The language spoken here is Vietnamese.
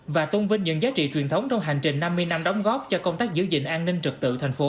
và tôn vinh những giá trị truyền thống trong hành trình năm mươi năm đóng góp cho công tác giữ gìn an ninh trực tự thành phố